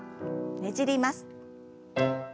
ねじります。